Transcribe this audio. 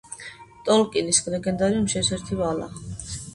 ტოლკინის ლეგენდარიუმში, ერთ-ერთი ვალა.